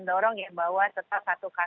terima kasih pak miko